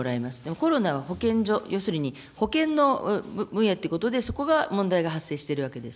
コロナは保健所、要するに保健の分野っていうことで、そこが問題が発生しているわけです。